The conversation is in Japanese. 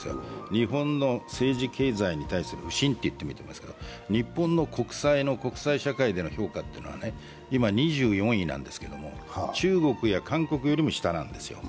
日本の政治・経済に対する不信と言ってもいいと思いますが、日本の国債の国際社会での評価というのは、今、２４位なんですけど、中国や韓国よりも下なんですよ。